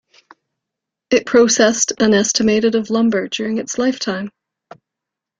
It processed an estimated of lumber during its lifetime.